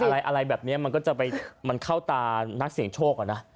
อะไรแบบนี้มันก็จะไปมันเข้าตานักเสียงโชคอ่ะนะ